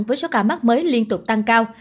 với số ca mắc mới liên tục tăng cao